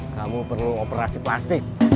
kamu perlu operasi plastik